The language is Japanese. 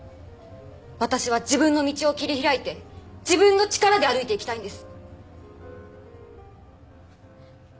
私は自分の道を切り開いて自分の力で歩いていきたいんです！